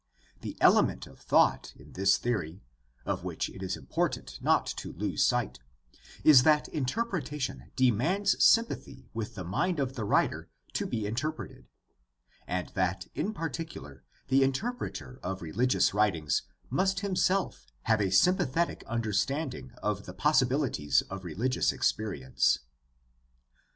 The element of truth in this theory, of which it is important not to lose sight, is that interpretation demands sympathy with the mind of the writer to be inter preted, and that in particular the interpreter of rehgious writings must himself have a sympathetic understanding of the possibilities of religious experience.